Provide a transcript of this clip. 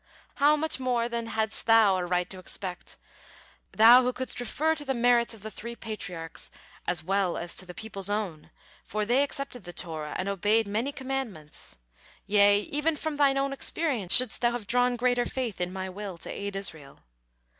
How much more than hadst thou a right to expect, thou who couldst refer to the merits of the three Patriarchs as well as to the people's own, for they accepted the Torah and obeyed many commandments. Yea, even from thine own experience shouldst thou have drawn greater faith in My will to aid Israel.